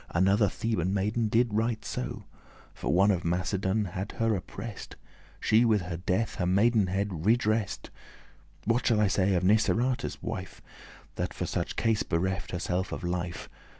Another Theban maiden did right so; For one of Macedon had her oppress'd, She with her death her maidenhead redress'd.* *vindicated What shall I say of Niceratus' wife, That for such case bereft herself her life?